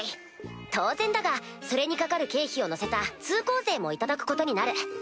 当然だがそれにかかる経費をのせた通行税も頂くことになる。